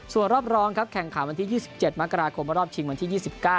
ส่วนรอบรองครับแข่งขันวันที่๒๗มกราคมรอบชิงวันที่๒๙